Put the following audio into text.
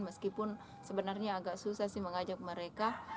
meskipun sebenarnya agak susah sih mengajak mereka